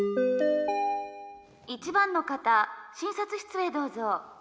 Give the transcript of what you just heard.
「１番の方診察室へどうぞ」。